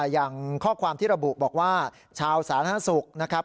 อย่างข้อความที่ระบุบอกว่าชาวสาธารณสุขนะครับ